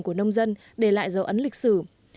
của nông dân để lại dấu ấn lịch sử